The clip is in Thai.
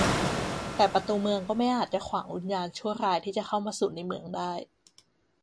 แต่ประตูเมืองก็ไม่อาจจะขวางวิญญาณชั่วร้ายที่จะเข้ามาสู่ในเมืองได้